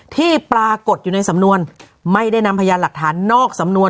ที่ปรากฏอยู่ในสำนวนไม่ได้นำพยานหลักฐานนอกสำนวน